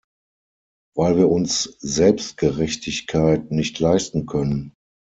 Weil wir uns Selbstgerechtigkeit nicht leisten können.